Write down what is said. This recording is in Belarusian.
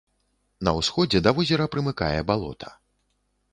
На ўсходзе да возера прымыкае балота.